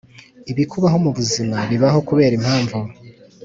Ibikubaho mu buzima bibaho kubera impamvu